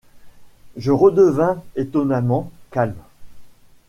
Je redevins étonnamment calme.